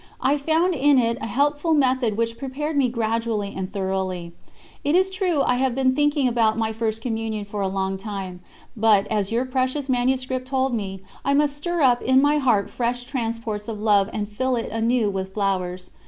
I found in it a helpful method which prepared me gradually and thoroughly. It is true I had been thinking about my First Communion for a long time, but, as your precious manuscript told me, I must stir up in my heart fresh transports of love and fill it anew with flowers.